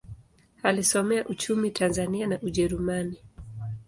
Alisomea uchumi Tanzania na Ujerumani.